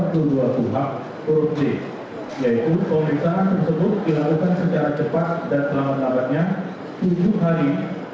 yaitu pemerintahan tersebut dilakukan secara cepat dan selamat laparnya tujuh hari